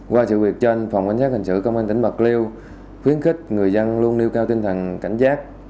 qua sự việc trên phòng cảnh sát hình sự công an tỉnh bạc liêu khuyến khích người dân luôn nêu cao tinh thần cảnh giác